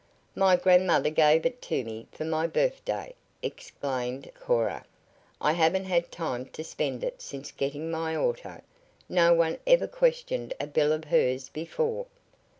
"My grandmother gave it to me for my birthday," explained Cora. "I haven't had time to spend it since getting my auto. No one ever questioned a bill of hers before."